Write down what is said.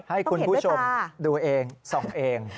ให้คุณผู้ชมดูเองส่องเอง